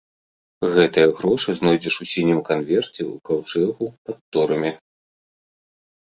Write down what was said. Гэтыя грошы знойдзеш у сінім канверце ў каўчэгу пад торамі.